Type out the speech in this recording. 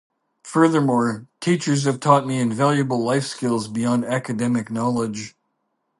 Furthermore, teachers have taught me invaluable life skills beyond academic knowledge.